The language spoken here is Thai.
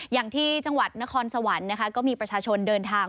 อย่างที่จังหวัดนครสวรรค์นะคะก็มีประชาชนเดินทาง